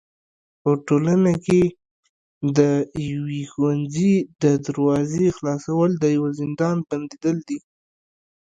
په ټولنه کي د يوي ښوونځي د دروازي خلاصول د يوه زندان بنديدل دي.